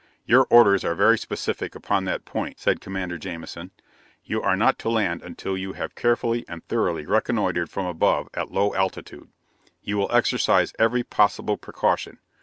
"Your orders are very specific upon that point," said Commander Jamison. "You are not to land until you have carefully and thoroughly reconnoitered from above, at low altitude. You will exercise every possible precaution.